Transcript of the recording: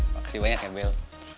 makasih banyak ya bel